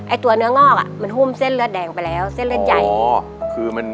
ตัวเนื้องอกอ่ะมันหุ้มเส้นเลือดแดงไปแล้วเส้นเลือดใหญ่อ๋อคือมัน